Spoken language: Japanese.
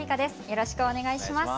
よろしくお願いします。